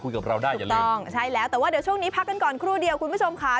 มาคุยกับเราได้อย่างเดิมใช่แล้วแต่ว่าเดี๋ยวช่วงนี้พักกันก่อนครูเดียวคุณผู้ชมค่ะ